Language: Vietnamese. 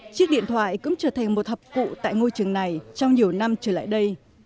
chiếc điện thoại cũng trở thành một hợp cụ tại ngôi trường này trong nhiều năm trở lại đây